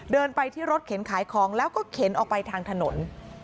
เดินไปที่รถเข็นขายของแล้วก็เข็นออกไปทางถนน